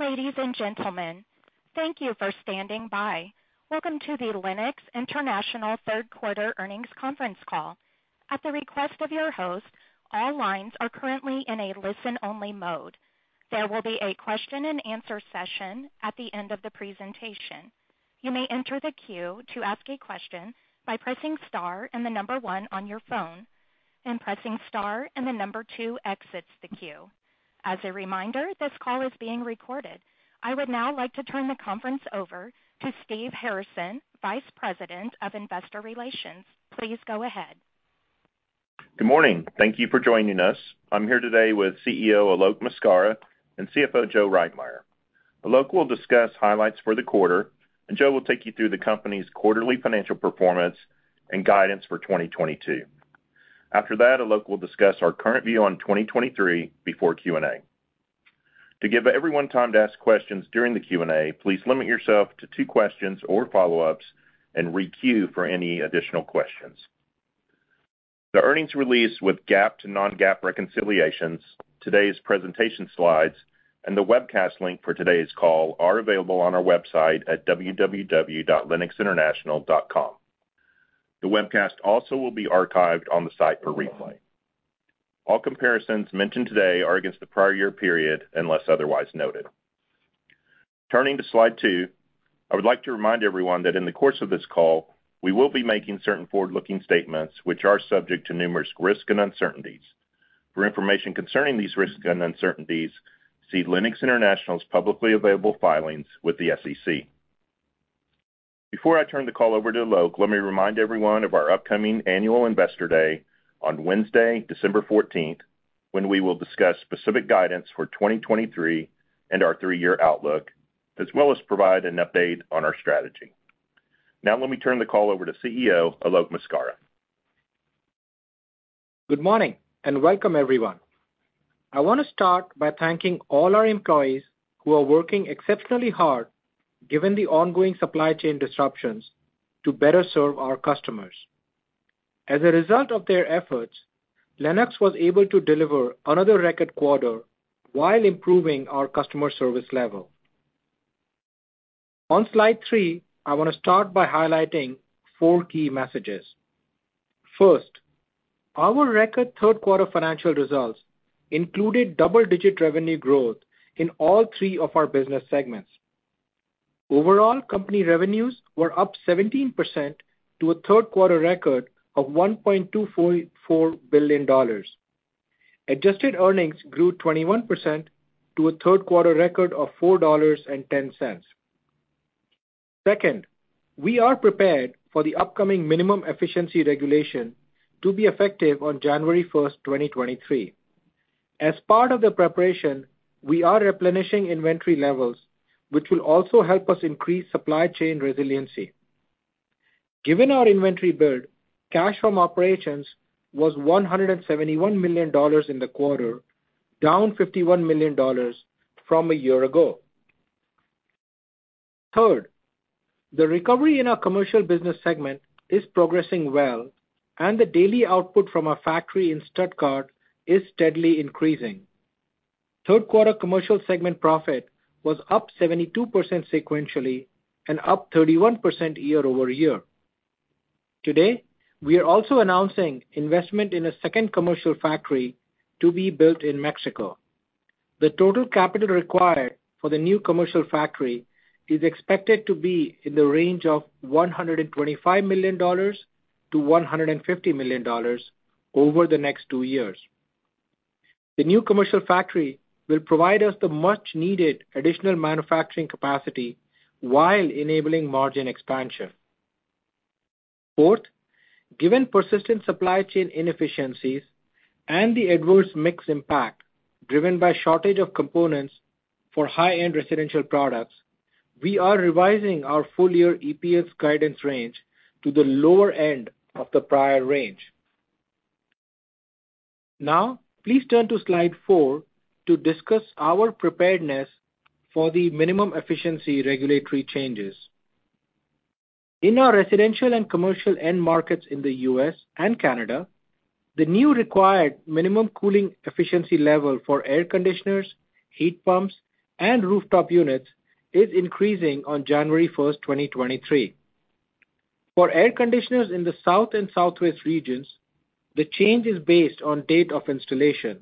Ladies and gentlemen, thank you for standing by. Welcome to the Lennox International third quarter earnings conference call. At the request of your host, all lines are currently in a listen-only mode. There will be a question-and-answer session at the end of the presentation. You may enter the queue to ask a question by pressing star and the number one on your phone, and pressing star and the number two exits the queue. As a reminder, this call is being recorded. I would now like to turn the conference over to Steve Harrison, Vice President of Investor Relations. Please go ahead. Good morning. Thank you for joining us. I'm here today with CEO Alok Maskara and CFO Joe Reitmeier. Alok will discuss highlights for the quarter, and Joe will take you through the company's quarterly financial performance and guidance for 2022. After that, Alok will discuss our current view on 2023 before Q&A. To give everyone time to ask questions during the Q&A, please limit yourself to two questions or follow-ups and re-queue for any additional questions. The earnings release with GAAP to non-GAAP reconciliations, today's presentation slides, and the webcast link for today's call are available on our website at www.lennoxinternational.com. The webcast also will be archived on the site for replay. All comparisons mentioned today are against the prior year period, unless otherwise noted. Turning to slide two, I would like to remind everyone that in the course of this call, we will be making certain forward-looking statements which are subject to numerous risks and uncertainties. For information concerning these risks and uncertainties, see Lennox International's publicly available filings with the SEC. Before I turn the call over to Alok, let me remind everyone of our upcoming annual Investor Day on Wednesday, December 14th, when we will discuss specific guidance for 2023 and our 3-year outlook, as well as provide an update on our strategy. Now let me turn the call over to CEO Alok Maskara. Good morning, and welcome, everyone. I wanna start by thanking all our employees who are working exceptionally hard, given the ongoing supply chain disruptions, to better serve our customers. As a result of their efforts, Lennox was able to deliver another record quarter while improving our customer service level. On slide three, I wanna start by highlighting four key messages. First, our record third quarter financial results included double-digit revenue growth in all three of our business segments. Overall, company revenues were up 17% to a third quarter record of $1.24 billion. Adjusted earnings grew 21% to a third quarter record of $4.10. Second, we are prepared for the upcoming minimum efficiency regulation to be effective on January 1st, 2023. As part of the preparation, we are replenishing inventory levels, which will also help us increase supply chain resiliency. Given our inventory build, cash from operations was $171 million in the quarter, down $51 million from a year ago. Third, the recovery in our commercial business segment is progressing well, and the daily output from our factory in Stuttgart is steadily increasing. Third quarter commercial segment profit was up 72% sequentially and up 31% year-over-year. Today, we are also announcing investment in a second commercial factory to be built in Mexico. The total capital required for the new commercial factory is expected to be in the range of $125 million-$150 million over the next two years. The new commercial factory will provide us the much needed additional manufacturing capacity while enabling margin expansion. Fourth, given persistent supply chain inefficiencies and the adverse mix impact driven by shortage of components for high-end residential products, we are revising our full year EPS guidance range to the lower end of the prior range. Now, please turn to slide four to discuss our preparedness for the minimum efficiency regulatory changes. In our residential and commercial end markets in the U.S. and Canada, the new required minimum cooling efficiency level for air conditioners, heat pumps, and rooftop units is increasing on January 1st, 2023. For air conditioners in the South and Southwest regions, the change is based on date of installation,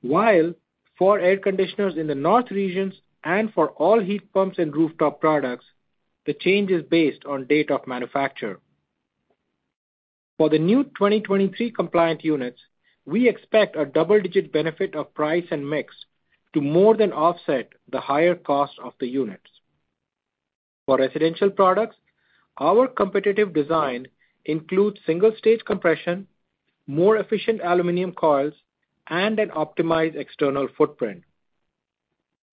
while for air conditioners in the North regions and for all heat pumps and rooftop products, the change is based on date of manufacture. For the new 2023 compliant units, we expect a double-digit benefit of price and mix to more than offset the higher cost of the units. For residential products, our competitive design includes single-stage compression, more efficient aluminum coils, and an optimized external footprint.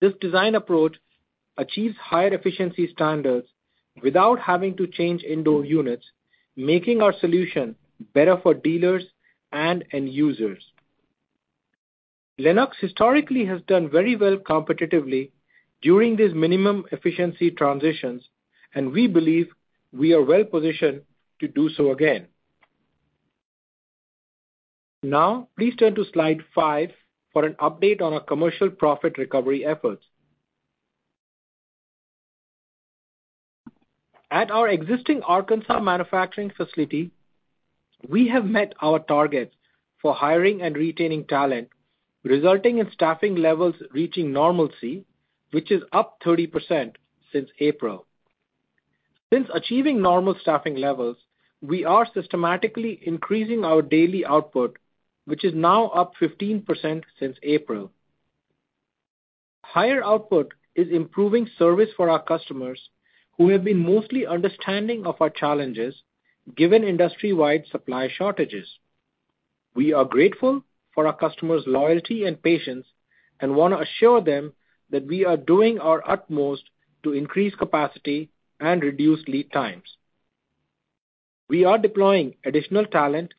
This design approach achieves higher efficiency standards without having to change indoor units, making our solution better for dealers and end users. Lennox historically has done very well competitively during these minimum efficiency transitions, and we believe we are well positioned to do so again. Now please turn to slide five for an update on our commercial profit recovery efforts. At our existing Arkansas manufacturing facility, we have met our targets for hiring and retaining talent, resulting in staffing levels reaching normalcy, which is up 30% since April. Since achieving normal staffing levels, we are systematically increasing our daily output, which is now up 15% since April. Higher output is improving service for our customers, who have been mostly understanding of our challenges given industry-wide supply shortages. We are grateful for our customers' loyalty and patience and wanna assure them that we are doing our utmost to increase capacity and reduce lead times. We are deploying additional talent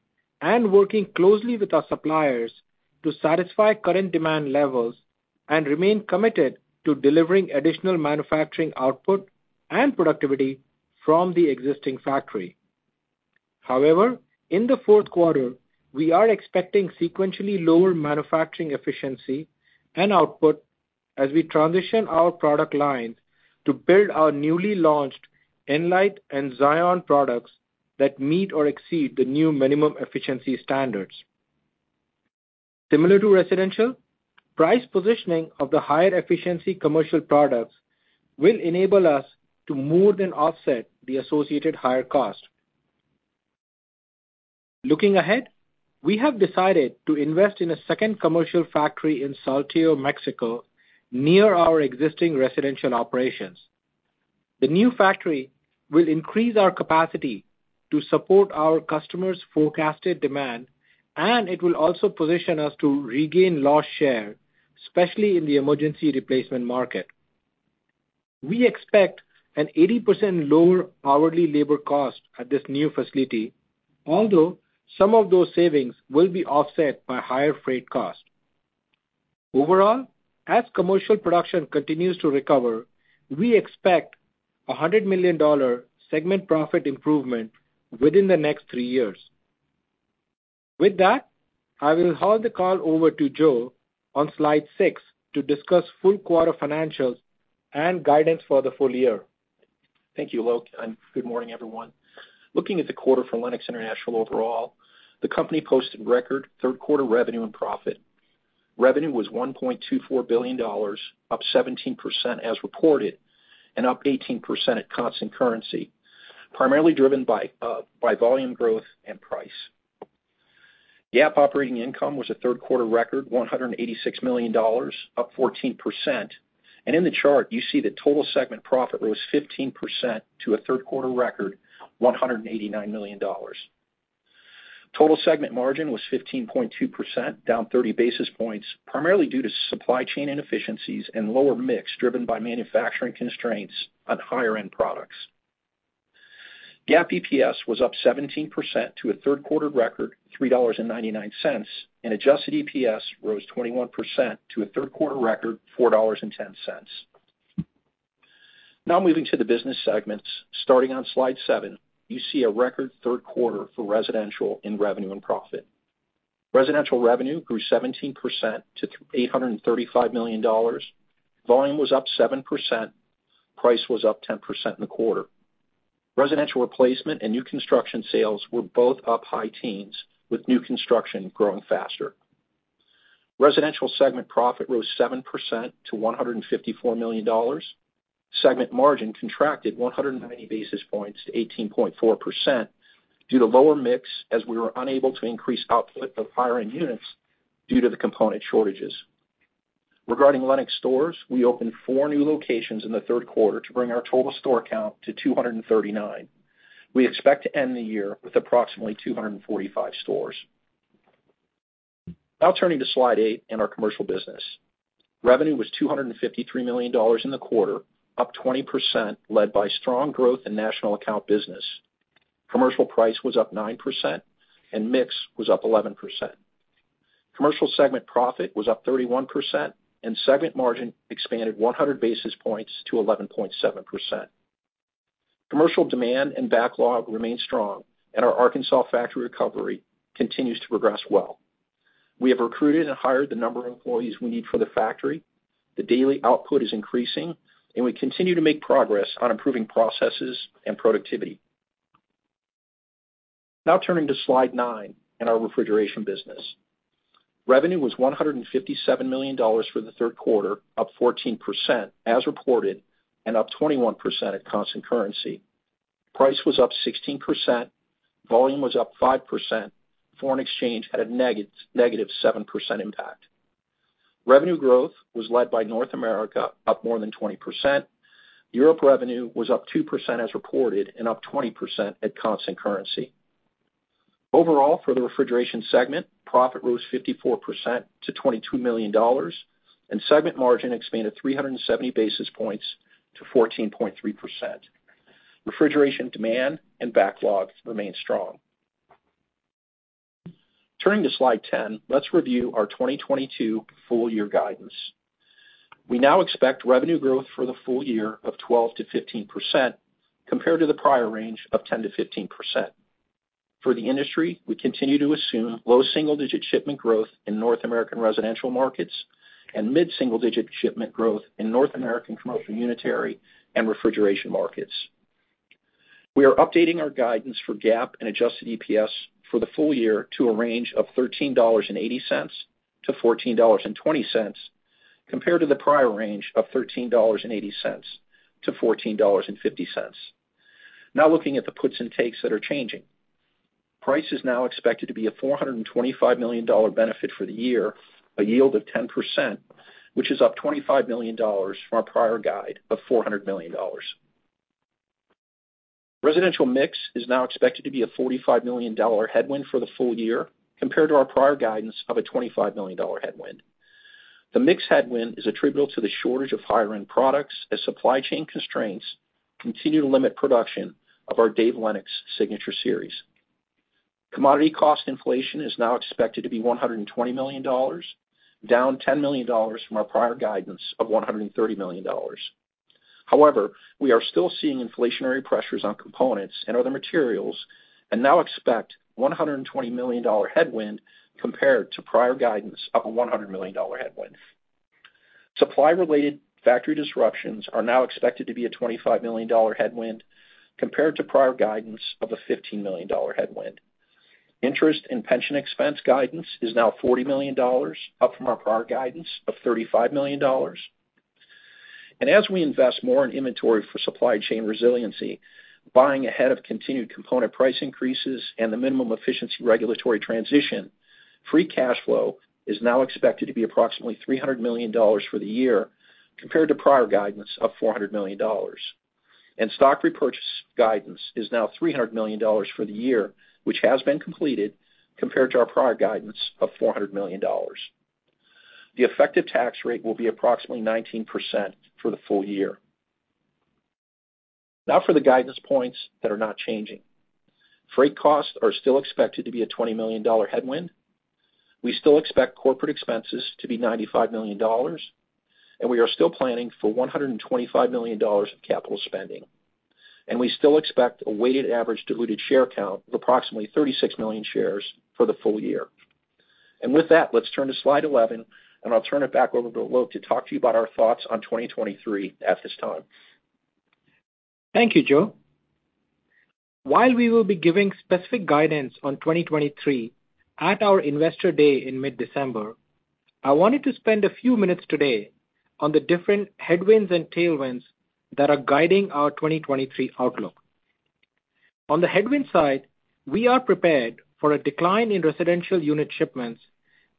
and working closely with our suppliers to satisfy current demand levels and remain committed to delivering additional manufacturing output and productivity from the existing factory. However, in the fourth quarter, we are expecting sequentially lower manufacturing efficiency and output as we transition our product lines to build our newly launched Enlight and Xion products that meet or exceed the new minimum efficiency standards. Similar to residential, price positioning of the higher efficiency commercial products will enable us to more than offset the associated higher cost. Looking ahead, we have decided to invest in a second commercial factory in Saltillo, Mexico, near our existing residential operations. The new factory will increase our capacity to support our customers' forecasted demand, and it will also position us to regain lost share, especially in the emergency replacement market. We expect an 80% lower hourly labor cost at this new facility, although some of those savings will be offset by higher freight cost. Overall, as commercial production continues to recover, we expect a $100 million segment profit improvement within the next three years. With that, I will hand the call over to Joe on slide six to discuss fourth quarter financials and guidance for the full year. Thank you, Alok, and good morning, everyone. Looking at the quarter for Lennox International overall, the company posted record third quarter revenue and profit. Revenue was $1.24 billion, up 17% as reported, and up 18% at constant currency, primarily driven by volume growth and price. GAAP operating income was a third quarter record $186 million, up 14%. In the chart, you see that total segment profit rose 15% to a third quarter record $189 million. Total segment margin was 15.2%, down 30 basis points, primarily due to supply chain inefficiencies and lower mix driven by manufacturing constraints on higher end products. GAAP EPS was up 17% to a third quarter record $3.99, and adjusted EPS rose 21% to a third quarter record $4.10. Now moving to the business segments. Starting on slide seven, you see a record third quarter for residential in revenue and profit. Residential revenue grew 17% to $835 million. Volume was up 7%. Price was up 10% in the quarter. Residential replacement and new construction sales were both up high teens, with new construction growing faster. Residential segment profit rose 7% to $154 million. Segment margin contracted 190 basis points to 18.4% due to lower mix, as we were unable to increase output of higher end units due to the component shortages. Regarding Lennox stores, we opened four new locations in the third quarter to bring our total store count to 239. We expect to end the year with approximately 245 stores. Now turning to slide eight in our commercial business. Revenue was $253 million in the quarter, up 20%, led by strong growth in national account business. Commercial price was up 9% and mix was up 11%. Commercial segment profit was up 31% and segment margin expanded 100 basis points to 11.7%. Commercial demand and backlog remain strong and our Arkansas factory recovery continues to progress well. We have recruited and hired the number of employees we need for the factory. The daily output is increasing, and we continue to make progress on improving processes and productivity. Now turning to slide nine in our refrigeration business. Revenue was $157 million for the third quarter, up 14% as reported and up 21% at constant currency. Price was up 16%. Volume was up 5%. Foreign exchange had a negative 7% impact. Revenue growth was led by North America, up more than 20%. Europe revenue was up 2% as reported and up 20% at constant currency. Overall, for the refrigeration segment, profit rose 54% to $22 million, and segment margin expanded 370 basis points to 14.3%. Refrigeration demand and backlogs remain strong. Turning to slide 10, let's review our 2022 full-year guidance. We now expect revenue growth for the full year of 12%-15% compared to the prior range of 10%-15%. For the industry, we continue to assume low single-digit shipment growth in North American residential markets and mid-single digit shipment growth in North American commercial unitary and refrigeration markets. We are updating our guidance for GAAP and adjusted EPS for the full year to a range of $13.80-$14.20, compared to the prior range of $13.80-$14.50. Now looking at the puts and takes that are changing. Price is now expected to be a $425 million benefit for the year, a yield of 10%, which is up $25 million from our prior guide of $400 million. Residential mix is now expected to be a $45 million headwind for the full year compared to our prior guidance of a $25 million headwind. The mix headwind is attributable to the shortage of higher-end products as supply chain constraints continue to limit production of our Dave Lennox Signature Collection. Commodity cost inflation is now expected to be $120 million, down $10 million from our prior guidance of $130 million. However, we are still seeing inflationary pressures on components and other materials and now expect $120 million headwind compared to prior guidance of a $100 million headwind. Supply-related factory disruptions are now expected to be a $25 million headwind compared to prior guidance of a $15 million headwind. Interest and pension expense guidance is now $40 million, up from our prior guidance of $35 million. As we invest more in inventory for supply chain resiliency, buying ahead of continued component price increases and the minimum efficiency regulatory transition, free cash flow is now expected to be approximately $300 million for the year compared to prior guidance of $400 million. Stock repurchase guidance is now $300 million for the year, which has been completed, compared to our prior guidance of $400 million. The effective tax rate will be approximately 19% for the full year. Now for the guidance points that are not changing. Freight costs are still expected to be a $20 million headwind. We still expect corporate expenses to be $95 million, and we are still planning for $125 million of capital spending. We still expect a weighted average diluted share count of approximately 36 million shares for the full year. With that, let's turn to slide 11, and I'll turn it back over to Alok to talk to you about our thoughts on 2023 at this time. Thank you, Joe. While we will be giving specific guidance on 2023 at our Investor Day in mid-December, I wanted to spend a few minutes today on the different headwinds and tailwinds that are guiding our 2023 outlook. On the headwind side, we are prepared for a decline in residential unit shipments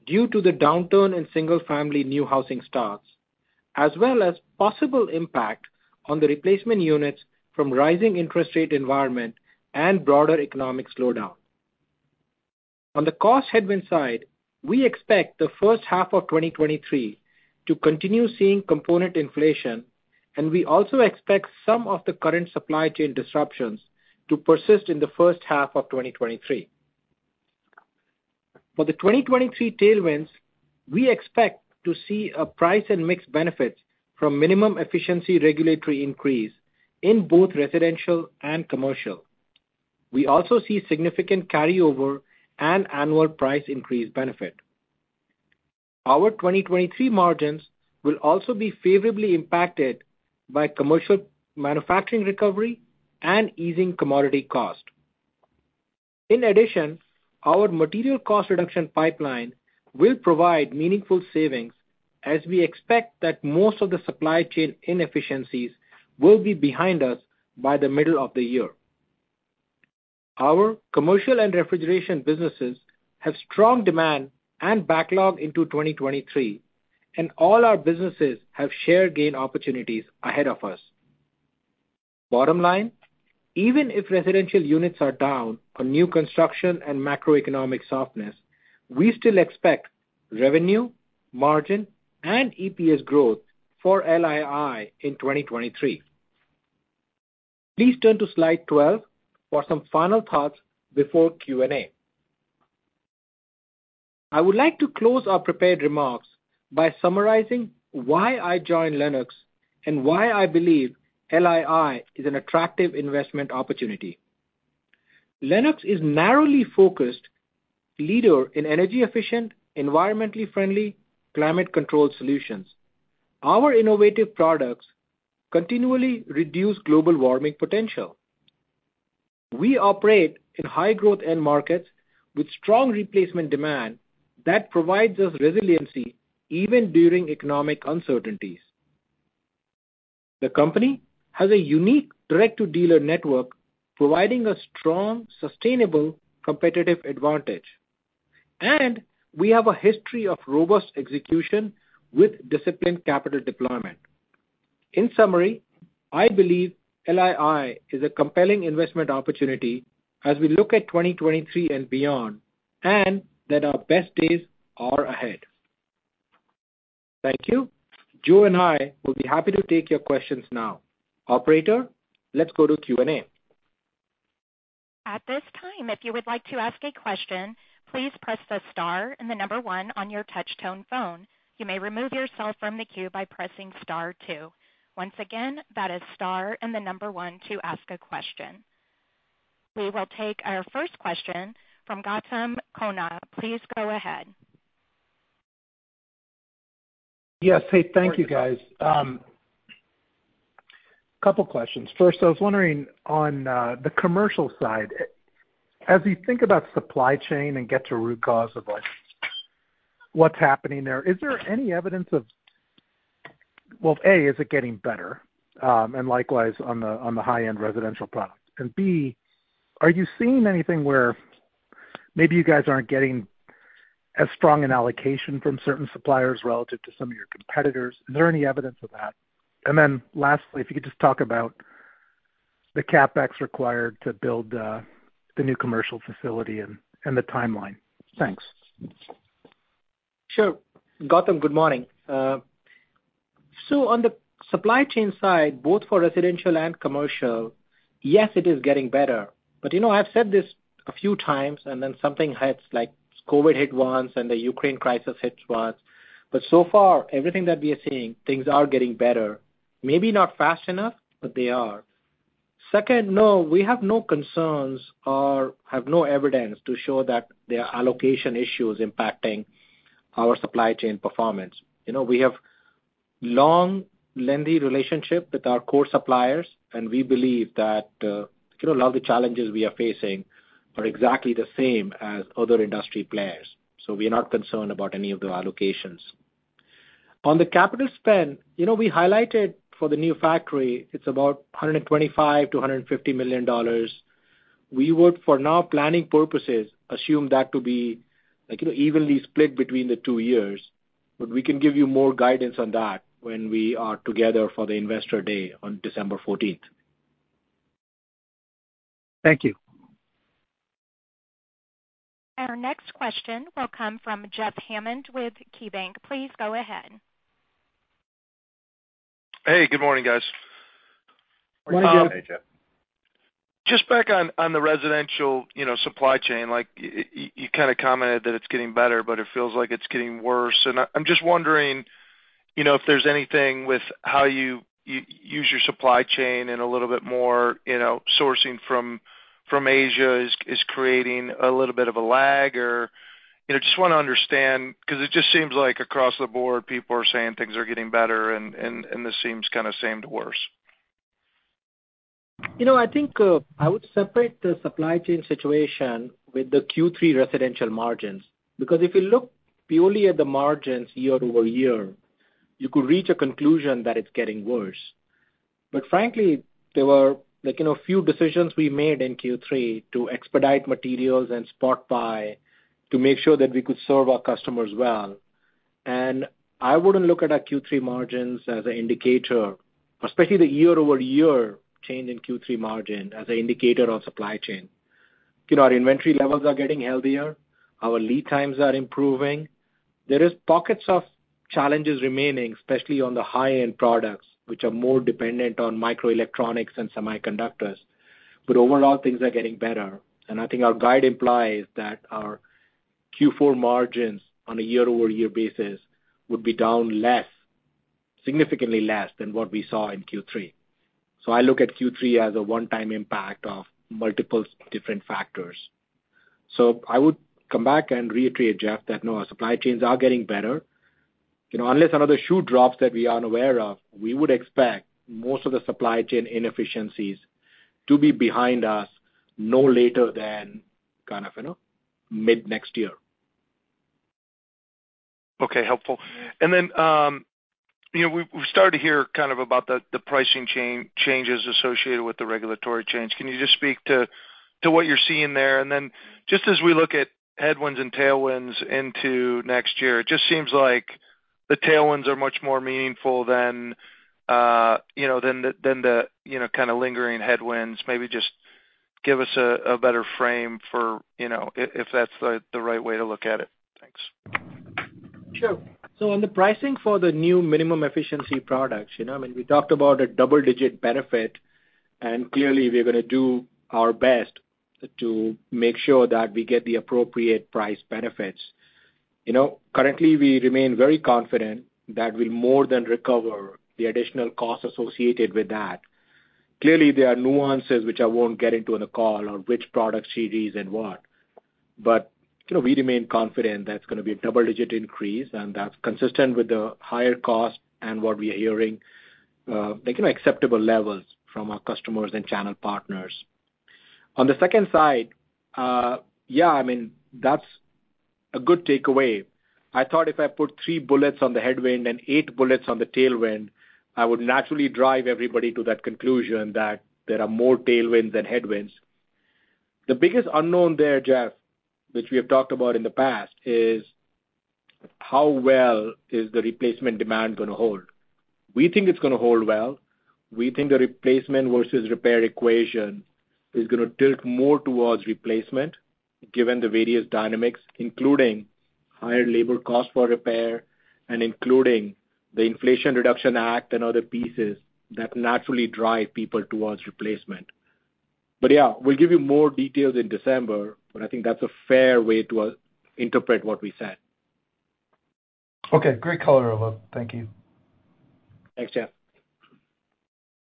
due to the downturn in single-family new housing starts, as well as possible impact on the replacement units from rising interest rate environment and broader economic slowdown. On the cost headwind side, we expect the first half of 2023 to continue seeing component inflation, and we also expect some of the current supply chain disruptions to persist in the first half of 2023. For the 2023 tailwinds, we expect to see a price and mix benefit from minimum efficiency regulatory increase in both residential and commercial. We also see significant carryover and annual price increase benefit. Our 2023 margins will also be favorably impacted by commercial manufacturing recovery and easing commodity cost. In addition, our material cost reduction pipeline will provide meaningful savings as we expect that most of the supply chain inefficiencies will be behind us by the middle of the year. Our commercial and refrigeration businesses have strong demand and backlog into 2023, and all our businesses have share gain opportunities ahead of us. Bottom line, even if residential units are down for new construction and macroeconomic softness, we still expect revenue, margin, and EPS growth for LII in 2023. Please turn to slide 12 for some final thoughts before Q&A. I would like to close our prepared remarks by summarizing why I joined Lennox and why I believe LII is an attractive investment opportunity. Lennox is narrowly focused leader in energy efficient, environmentally friendly, climate control solutions. Our innovative products continually reduce global warming potential. We operate in high growth end markets with strong replacement demand that provides us resiliency even during economic uncertainties. The company has a unique direct-to-dealer network, providing a strong, sustainable competitive advantage. We have a history of robust execution with disciplined capital deployment. In summary, I believe LII is a compelling investment opportunity as we look at 2023 and beyond, and that our best days are ahead. Thank you. Joe and I will be happy to take your questions now. Operator, let's go to Q&A. At this time, if you would like to ask a question, please press the star and the number one on your touch tone phone. You may remove yourself from the queue by pressing star two. Once again, that is star and the number one to ask a question. We will take our first question from Gautam Khanna. Please go ahead. Yes. Hey, thank you guys. Couple questions. First, I was wondering on the commercial side, as we think about supply chain and get to root cause of like what's happening there, is there any evidence of well, A, is it getting better? And likewise on the high-end residential product. And B, are you seeing anything where maybe you guys aren't getting as strong an allocation from certain suppliers relative to some of your competitors? Is there any evidence of that? And then lastly, if you could just talk about the CapEx required to build the new commercial facility and the timeline. Thanks. Sure. Gautam, good morning. On the supply chain side, both for residential and commercial, yes, it is getting better. You know, I've said this a few times, and then something hits, like COVID hit once and the Ukraine crisis hits once. So far, everything that we are seeing, things are getting better. Maybe not fast enough, but they are. Second, no, we have no concerns or have no evidence to show that there are allocation issues impacting our supply chain performance. You know, we have long, lengthy relationship with our core suppliers, and we believe that, you know, a lot of the challenges we are facing are exactly the same as other industry players. We are not concerned about any of the allocations. On the capital spend, you know, we highlighted for the new factory, it's about $125 million-$150 million. We would, for now planning purposes, assume that to be, like, you know, evenly split between the two years. We can give you more guidance on that when we are together for the Investor Day on December 14th. Thank you. Our next question will come from Jeff Hammond with KeyBanc. Please go ahead. Hey, good morning, guys. Good morning, Jeff. Hey, Jeff. Just back on the residential, you know, supply chain. Like, you kinda commented that it's getting better, but it feels like it's getting worse. I'm just wondering, you know, if there's anything with how you use your supply chain and a little bit more, you know, sourcing from Asia is creating a little bit of a lag. You know, just wanna understand, 'cause it just seems like across the board, people are saying things are getting better, and this seems kinda same to worse. You know, I think, I would separate the supply chain situation with the Q3 residential margins, because if you look purely at the margins year-over-year, you could reach a conclusion that it's getting worse. Frankly, there were, like, you know, a few decisions we made in Q3 to expedite materials and spot buy to make sure that we could serve our customers well. I wouldn't look at our Q3 margins as an indicator, especially the year-over-year change in Q3 margin as an indicator of supply chain. You know, our inventory levels are getting healthier. Our lead times are improving. There is pockets of challenges remaining, especially on the high-end products, which are more dependent on microelectronics and semiconductors. Overall, things are getting better. I think our guide implies that our Q4 margins on a year-over-year basis would be down less, significantly less than what we saw in Q3. I look at Q3 as a one-time impact of multiple different factors. I would come back and reiterate, Jeff, that, no, our supply chains are getting better. You know, unless another shoe drops that we aren't aware of, we would expect most of the supply chain inefficiencies to be behind us no later than kind of, you know, mid next year. Okay, helpful. Then you know, we've started to hear kind of about the pricing changes associated with the regulatory change. Can you just speak to what you're seeing there? Then just as we look at headwinds and tailwinds into next year, it just seems like the tailwinds are much more meaningful than you know, than the kind of lingering headwinds. Maybe just give us a better frame for you know, if that's the right way to look at it. Thanks. Sure. On the pricing for the new minimum efficiency products, you know, I mean, we talked about a double-digit benefit, and clearly, we're gonna do our best to make sure that we get the appropriate price benefits. You know, currently, we remain very confident that we'll more than recover the additional costs associated with that. Clearly, there are nuances which I won't get into on the call on which product series and what, but, you know, we remain confident that's gonna be a double-digit increase, and that's consistent with the higher cost and what we are hearing, like, you know, acceptable levels from our customers and channel partners. On the second side, yeah, I mean, that's a good takeaway. I thought if I put three bullets on the headwind and eight bullets on the tailwind, I would naturally drive everybody to that conclusion that there are more tailwinds than headwinds. The biggest unknown there, Jeff, which we have talked about in the past, is how well is the replacement demand gonna hold? We think it's gonna hold well. We think the replacement versus repair equation is gonna tilt more towards replacement given the various dynamics, including higher labor costs for repair and including the Inflation Reduction Act and other pieces that naturally drive people towards replacement. Yeah, we'll give you more details in December, but I think that's a fair way to interpret what we said. Okay. Great color, Alok. Thank you. Thanks, Jeff.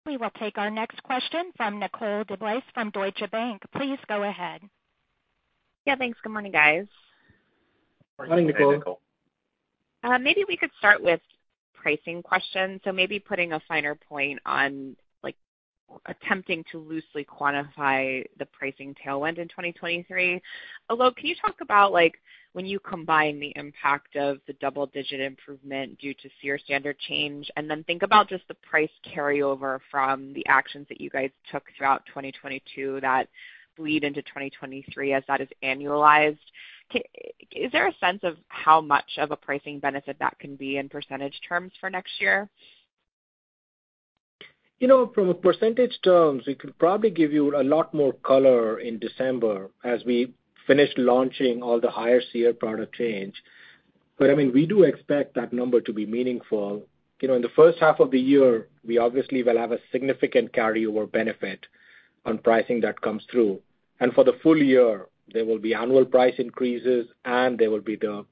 We will take our next question from Nicole DeBlase from Deutsche Bank. Please go ahead. Yeah, thanks. Good morning, guys. Morning, Nicole. Morning, Nicole. Maybe we could start with pricing questions. Maybe putting a finer point on, like, attempting to loosely quantify the pricing tailwind in 2023. Alok, can you talk about, like, when you combine the impact of the double-digit improvement due to SEER standard change, and then think about just the price carryover from the actions that you guys took throughout 2022 that bleed into 2023 as that is annualized. Is there a sense of how much of a pricing benefit that can be in percentage terms for next year? You know, from a percentage terms, we could probably give you a lot more color in December as we finish launching all the higher SEER product change. I mean, we do expect that number to be meaningful. You know, in the first half of the year, we obviously will have a significant carryover benefit on pricing that comes through. For the full year, there will be annual price increases, and there will be the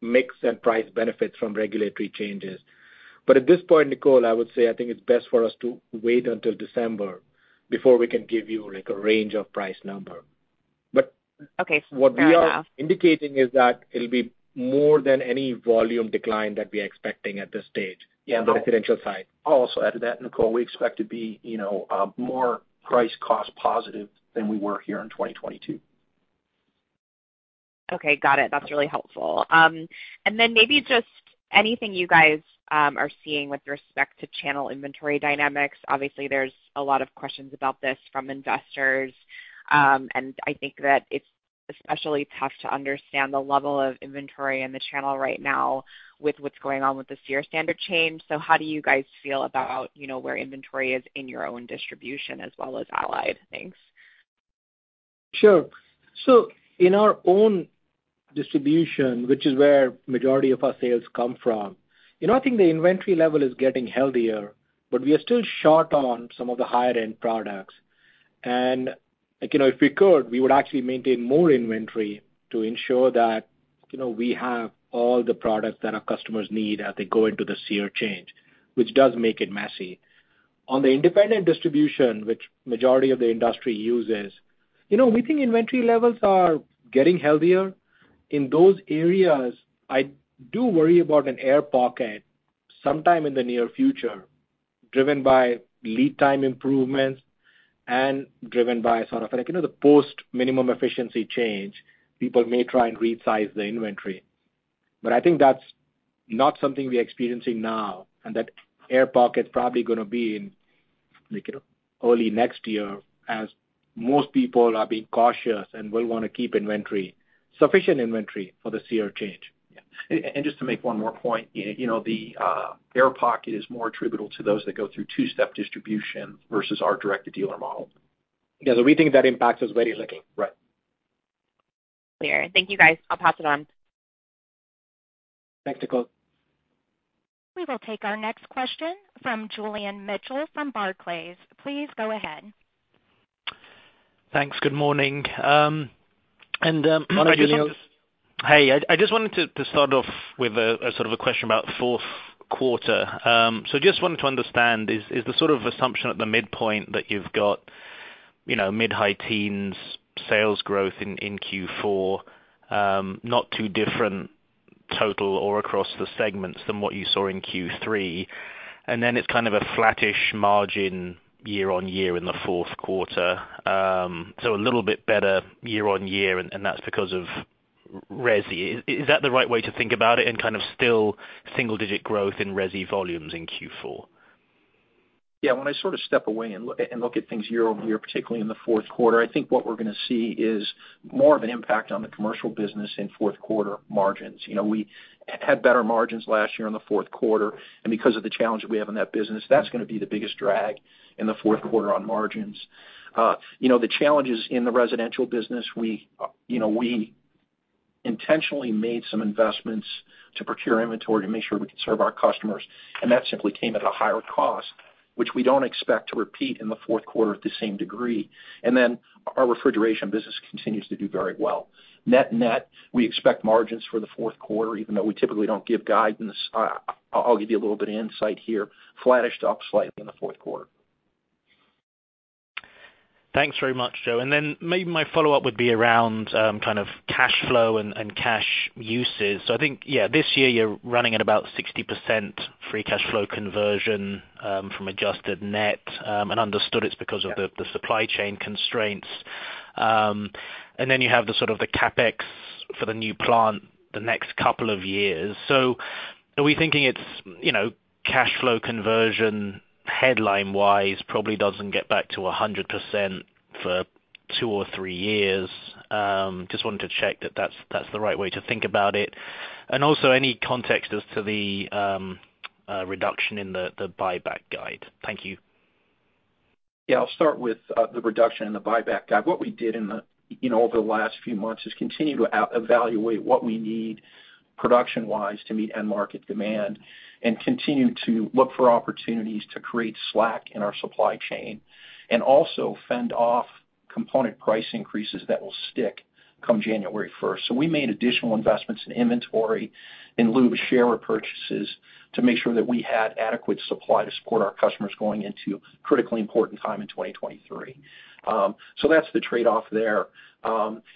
mix and price benefits from regulatory changes. At this point, Nicole, I would say I think it's best for us to wait until December before we can give you, like, a range of price number. Okay, fair enough. What we are indicating is that it'll be more than any volume decline that we're expecting at this stage in the residential side. I'll also add to that, Nicole, we expect to be, you know, more price cost positive than we were here in 2022. Okay, got it. That's really helpful. Then maybe just anything you guys are seeing with respect to channel inventory dynamics. Obviously, there's a lot of questions about this from investors, and I think that it's especially tough to understand the level of inventory in the channel right now with what's going on with the SEER standard change. How do you guys feel about, you know, where inventory is in your own distribution as well as Allied? Thanks. Sure. In our own distribution, which is where majority of our sales come from, you know, I think the inventory level is getting healthier, but we are still short on some of the higher end products. Like, you know, if we could, we would actually maintain more inventory to ensure that, you know, we have all the products that our customers need as they go into the SEER change, which does make it messy. On the independent distribution, which majority of the industry uses, you know, we think inventory levels are getting healthier. In those areas, I do worry about an air pocket sometime in the near future, driven by lead time improvements and driven by sort of, like, you know, the post minimum efficiency change. People may try and resize the inventory. I think that's not something we're experiencing now, and that air pocket is probably gonna be in, like, you know, early next year as most people are being cautious and will wanna keep inventory, sufficient inventory for the SEER change. Yeah. Just to make one more point, you know, the air pocket is more attributable to those that go through two-step distribution versus our direct-to-dealer model. Yeah. We think that impact is very little. Right. Clear. Thank you, guys. I'll pass it on. Thanks, Nicole. We will take our next question from Julian Mitchell from Barclays. Please go ahead. Thanks. Good morning. Morning, Julian. Hey, I just wanted to start off with a sort of question about fourth quarter. Just wanted to understand is the sort of assumption at the midpoint that you've got, you know, mid-high teens sales growth in Q4, not too different total or across the segments than what you saw in Q3. It's kind of a flattish margin year-on-year in the fourth quarter. A little bit better year-on-year, and that's because of resi. Is that the right way to think about it in kind of still single-digit growth in resi volumes in Q4? Yeah. When I sort of step away and look at things year over year, particularly in the fourth quarter, I think what we're gonna see is more of an impact on the commercial business in fourth quarter margins. You know, we had better margins last year in the fourth quarter, and because of the challenge that we have in that business, that's gonna be the biggest drag in the fourth quarter on margins. You know, the challenges in the residential business, we intentionally made some investments to procure inventory to make sure we could serve our customers, and that simply came at a higher cost, which we don't expect to repeat in the fourth quarter at the same degree. Then our refrigeration business continues to do very well. Net-net, we expect margins for the fourth quarter, even though we typically don't give guidance, I'll give you a little bit of insight here, flattish to up slightly in the fourth quarter. Thanks very much, Joe. Then maybe my follow-up would be around kind of cash flow and cash uses. I think, yeah, this year you're running at about 60% free cash flow conversion from adjusted net, and understood it's because of the supply chain constraints. Then you have the sort of CapEx for the new plant the next couple of years. Are we thinking it's you know cash flow conversion headline-wise probably doesn't get back to 100% for two or three years? Just wanted to check that that's the right way to think about it. Also any context as to the reduction in the buyback guide. Thank you. Yeah, I'll start with the reduction in the buyback guide. What we did in you know over the last few months is continue to evaluate what we need production-wise to meet end market demand and continue to look for opportunities to create slack in our supply chain and also fend off component price increases that will stick come January 1st. We made additional investments in inventory in lieu of share repurchases to make sure that we had adequate supply to support our customers going into critically important time in 2023. That's the trade-off there.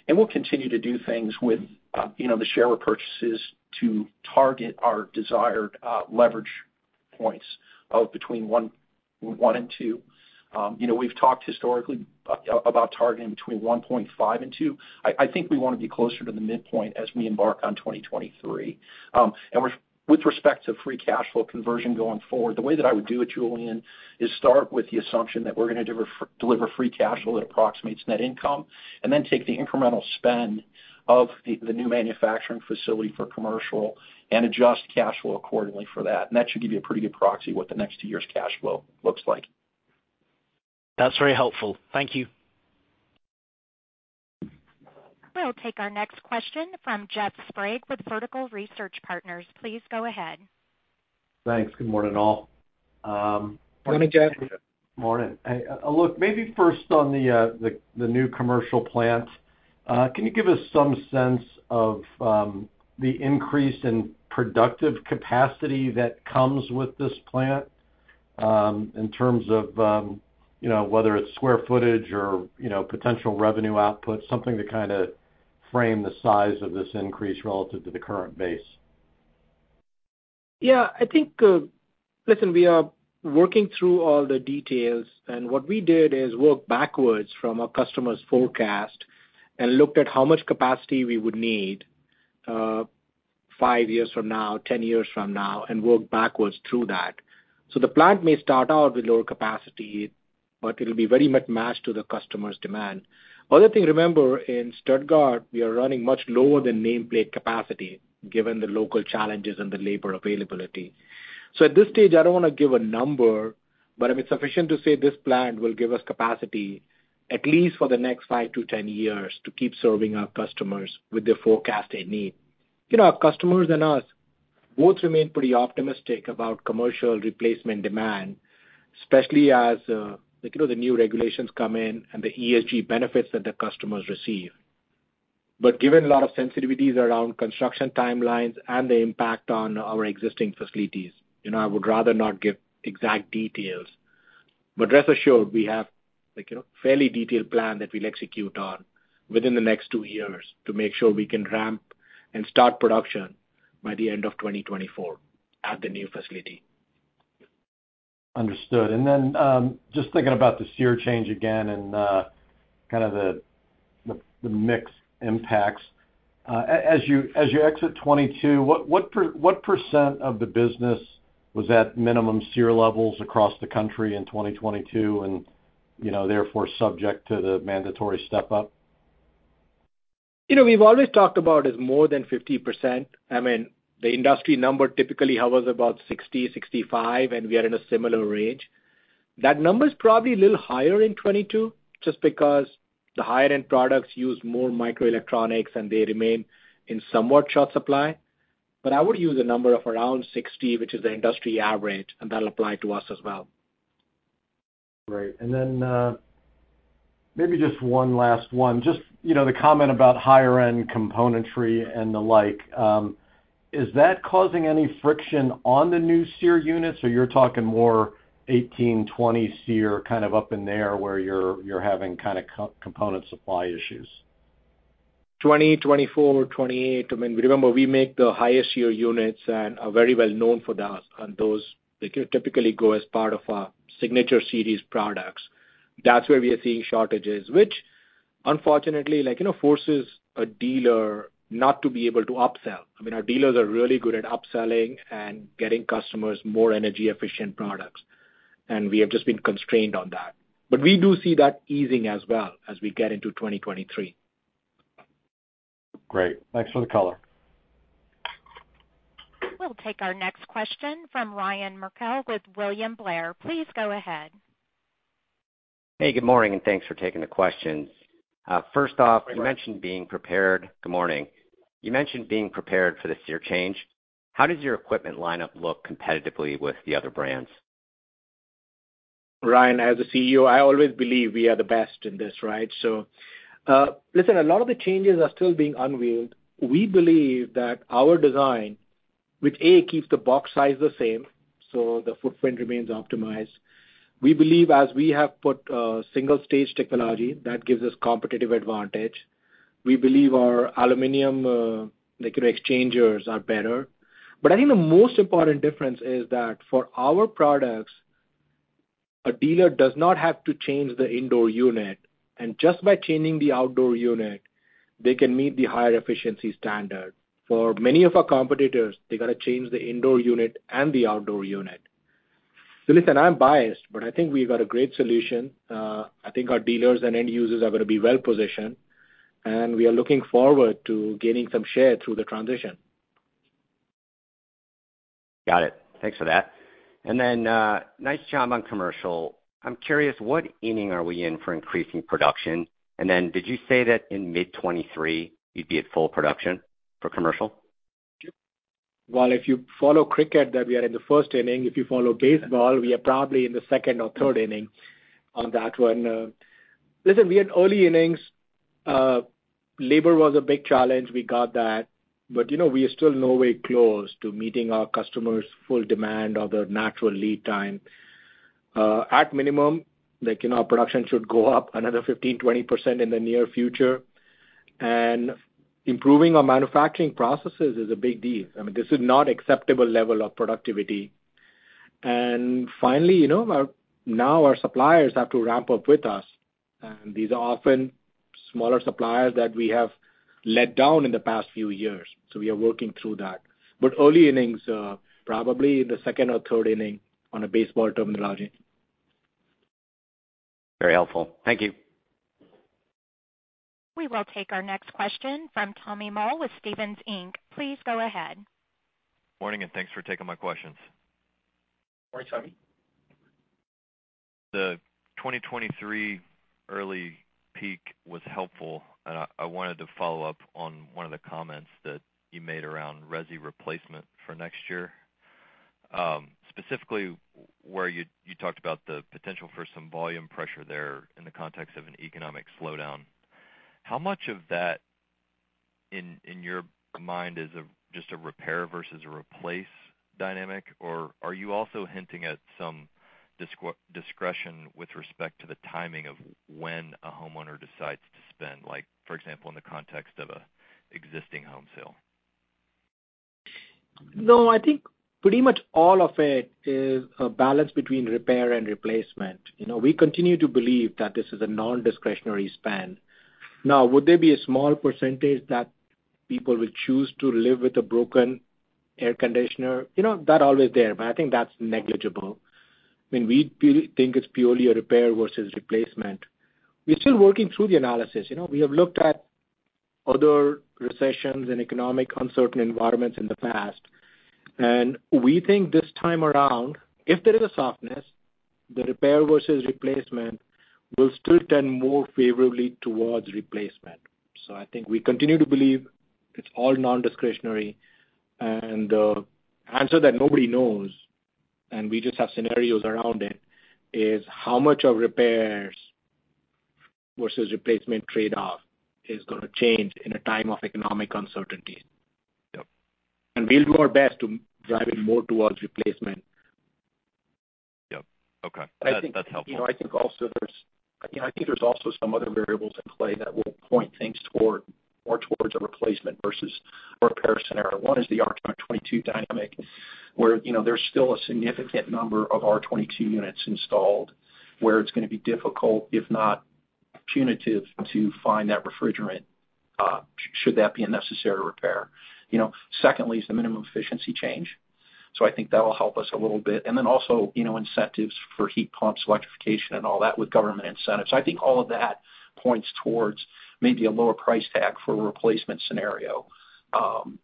We'll continue to do things with you know the share repurchases to target our desired leverage points of between 1 and 2. You know, we've talked historically about targeting between 1.5 and 2. I think we wanna be closer to the midpoint as we embark on 2023. With respect to free cash flow conversion going forward, the way that I would do it, Julian, is start with the assumption that we're gonna deliver free cash flow that approximates net income, and then take the incremental spend of the new manufacturing facility for commercial and adjust cash flow accordingly for that. That should give you a pretty good proxy what the next two years' cash flow looks like. That's very helpful. Thank you. We'll take our next question from Jeff Sprague with Vertical Research Partners. Please go ahead. Thanks. Good morning, all. Good morning, Jeff. Morning. Hey, Alok maybe first on the new commercial plant. Can you give us some sense of the increase in productive capacity that comes with this plant, in terms of you know whether it's square footage or you know potential revenue output, something to kinda frame the size of this increase relative to the current base? Yeah, I think, Listen, we are working through all the details, and what we did is work backwards from our customers' forecast and looked at how much capacity we would need, five years from now, 10 years from now, and work backwards through that. The plant may start out with lower capacity, but it'll be very much matched to the customers' demand. Other thing, remember, in Stuttgart, we are running much lower than nameplate capacity given the local challenges and the labor availability. At this stage, I don't wanna give a number, but I mean, sufficient to say this plant will give us capacity at least for the next 5-10 years to keep serving our customers with the forecast they need. You know, our customers and us both remain pretty optimistic about commercial replacement demand, especially as, you know, the new regulations come in and the ESG benefits that the customers receive. Given a lot of sensitivities around construction timelines and the impact on our existing facilities, you know, I would rather not give exact details. Rest assured, we have, like, you know, fairly detailed plan that we'll execute on within the next two years to make sure we can ramp and start production by the end of 2024 at the new facility. Understood. Just thinking about the SEER change again and kind of the mix impacts. As you exit 2022, what percent of the business was at minimum SEER levels across the country in 2022 and, you know, therefore subject to the mandatory step up? You know, we've always talked about is more than 50%. I mean, the industry number typically hovers about 60%-65%, and we are in a similar range. That number is probably a little higher in 2022 just because the higher end products use more microelectronics and they remain in somewhat short supply. I would use a number of around 60%, which is the industry average, and that'll apply to us as well. Great. Maybe just one last one. Just, you know, the comment about higher end componentry and the like, is that causing any friction on the new SEER units, or you're talking more 18, 20 SEER kind of up in there where you're having kinda component supply issues? 20, 24, 28. I mean, remember we make the highest SEER units and are very well known for that. Those, they can typically go as part of our Signature Series products. That's where we are seeing shortages which unfortunately like, you know, forces a dealer not to be able to upsell. I mean, our dealers are really good at upselling and getting customers more energy efficient products, and we have just been constrained on that. We do see that easing as well as we get into 2023. Great. Thanks for the color. We'll take our next question from Ryan Merkel with William Blair. Please go ahead. Hey, good morning, and thanks for taking the questions. First off, you mentioned being prepared. Good morning. Good morning. You mentioned being prepared for the SEER change. How does your equipment lineup look competitively with the other brands? Ryan, as a CEO, I always believe we are the best in this, right? Listen, a lot of the changes are still being unveiled. We believe that our design keeps the box size the same so the footprint remains optimized. We believe, as we have put single-stage technology, that gives us competitive advantage. We believe our aluminum heat exchangers are better. I think the most important difference is that for our products, a dealer does not have to change the indoor unit, and just by changing the outdoor unit, they can meet the higher efficiency standard. For many of our competitors, they gotta change the indoor unit and the outdoor unit. Listen, I'm biased, but I think we've got a great solution. I think our dealers and end users are gonna be well positioned, and we are looking forward to gaining some share through the transition. Got it. Thanks for that. Nice job on commercial. I'm curious, what inning are we in for increasing production? Did you say that in mid 2023 you'd be at full production for commercial? Well, if you follow cricket, then we are in the first inning. If you follow baseball, we are probably in the second or third inning on that one. Listen, we're in early innings. Labor was a big challenge. We got that. You know, we are still nowhere close to meeting our customers' full demand or their natural lead time. At minimum, like, you know, our production should go up another 15%, 20% in the near future. Improving our manufacturing processes is a big deal. I mean, this is not acceptable level of productivity. Finally, you know, our suppliers have to ramp up with us, and these are often smaller suppliers that we have let down in the past few years. We are working through that. Early innings, probably in the second or third inning on a baseball terminology. Very helpful. Thank you. We will take our next question from Tommy Moll with Stephens Inc. Please go ahead. Morning, thanks for taking my questions. Morning, Tommy. The 2023 early peak was helpful, and I wanted to follow up on one of the comments that you made around resi replacement for next year. Specifically where you talked about the potential for some volume pressure there in the context of an economic slowdown. How much of that in your mind is just a repair versus a replace dynamic, or are you also hinting at some discretion with respect to the timing of when a homeowner decides to spend, like for example, in the context of a existing home sale? No, I think pretty much all of it is a balance between repair and replacement. You know, we continue to believe that this is a nondiscretionary spend. Now, would there be a small percentage that people will choose to live with a broken air conditioner? You know, that's always there, but I think that's negligible when we think it's purely a repair versus replacement. We're still working through the analysis. You know, we have looked at other recessions and economic uncertain environments in the past, and we think this time around, if there is a softness, the repair versus replacement will still tend more favorably towards replacement. So I think we continue to believe it's all nondiscretionary. The answer that nobody knows, and we just have scenarios around it, is how much of repairs versus replacement trade-off is gonna change in a time of economic uncertainty. Yep. We'll do our best to drive it more towards replacement. Yep. Okay. That's helpful. You know, I think there's also some other variables in play that will point things toward more towards a replacement versus repair scenario. One is the R-22 dynamic, where, you know, there's still a significant number of R-22 units installed, where it's gonna be difficult, if not punitive, to find that refrigerant, should that be a necessary repair. You know, secondly, is the minimum efficiency change, so I think that will help us a little bit. Then also, you know, incentives for heat pumps, electrification and all that with government incentives. So I think all of that points towards maybe a lower price tag for a replacement scenario,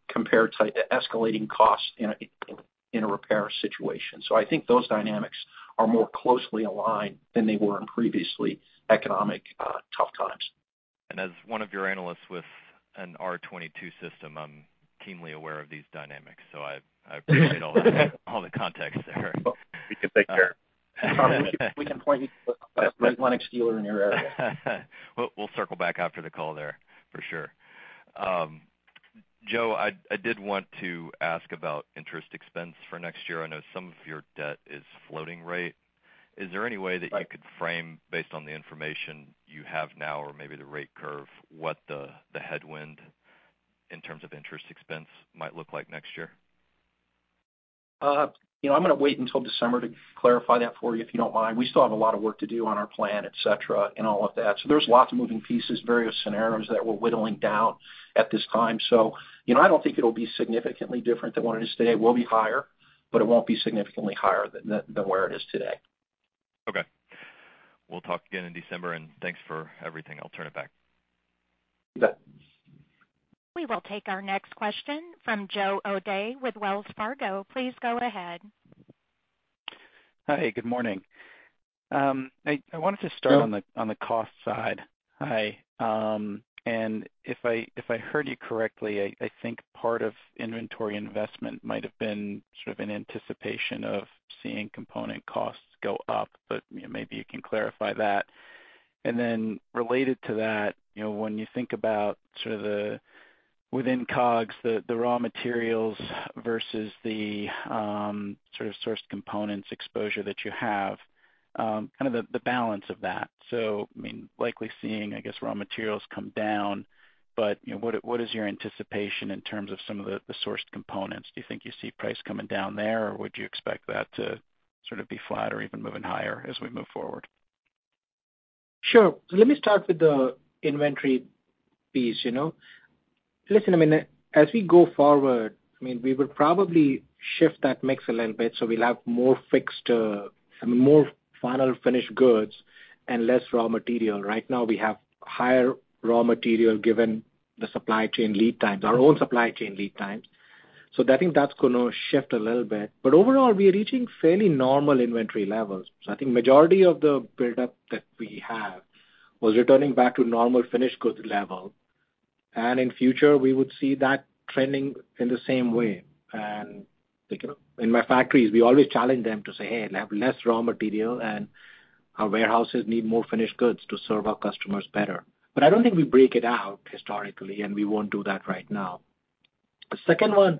compared to escalating costs in a repair situation. So I think those dynamics are more closely aligned than they were in previous economic tough times. As one of your analysts with an R-22 system, I'm keenly aware of these dynamics, so I appreciate all the context there. We can take care of you. We can point you to the best Lennox dealer in your area. We'll circle back after the call there for sure. Joe, I did want to ask about interest expense for next year. I know some of your debt is floating rate. Is there any way that you could frame based on the information you have now or maybe the rate curve, what the headwind in terms of interest expense might look like next year? You know, I'm gonna wait until December to clarify that for you if you don't mind. We still have a lot of work to do on our plan, et cetera, and all of that. There's lots of moving pieces, various scenarios that we're whittling down at this time. You know, I don't think it'll be significantly different than what it is today. It will be higher, but it won't be significantly higher than where it is today. Okay. We'll talk again in December, and thanks for everything. I'll turn it back. You bet. We will take our next question from Joe O'Dea with Wells Fargo. Please go ahead. Hi, good morning. I wanted to start. Hi Joe. On the cost side. Hi. If I heard you correctly, I think part of inventory investment might have been sort of in anticipation of seeing component costs go up, but you know, maybe you can clarify that. Then related to that, you know, when you think about sort of the within COGS, the raw materials versus the sort of sourced components exposure that you have, kind of the balance of that. I mean, likely seeing, I guess raw materials come down, but you know, what is your anticipation in terms of some of the sourced components? Do you think you see price coming down there, or would you expect that to sort of be flat or even moving higher as we move forward? Sure. Let me start with the inventory piece, you know. Listen, I mean, as we go forward, I mean, we will probably shift that mix a little bit, so we'll have more final finished goods and less raw material. Right now, we have higher raw material given the supply chain lead times, our own supply chain lead times. I think that's gonna shift a little bit. Overall, we are reaching fairly normal inventory levels. I think majority of the buildup that we have was returning back to normal finished goods level. In future, we would see that trending in the same way. Like, you know, in my factories, we always challenge them to say, "Hey, have less raw material, and our warehouses need more finished goods to serve our customers better." I don't think we break it out historically, and we won't do that right now. The second one,